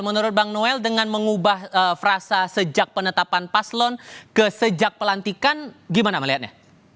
menurut bang noel dengan mengubah frasa sejak penetapan paslon ke sejak pelantikan gimana melihatnya